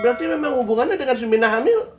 berarti memang hubungannya dengan sumina hamil